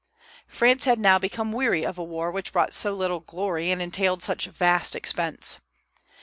France had now become weary of a war which brought so little glory and entailed such vast expense.